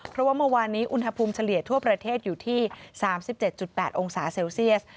เพราะว่าเมื่อวานนี้อุณหภูมิเฉลี่ยทั่วประเทศอยู่ที่๓๗๘องศาเซลเซียส